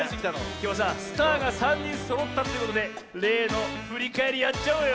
きょうはさスターが３にんそろったってことでれいのふりかえりやっちゃおうよ。